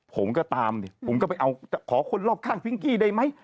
ผมก็ตามดิผมก็ไปเอาขอคนรอบข้างพิงกี้ได้ไหม